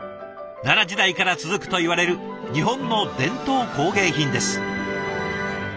奈良時代から続くといわれる日本の伝統工芸品です。